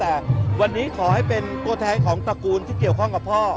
แต่วันนี้ขอให้เป็นตัวแทนของตระกูลที่เกี่ยวข้องกับพ่อ